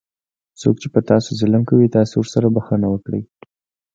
څوک چې په تاسو ظلم کوي تاسې ورته بښنه وکړئ.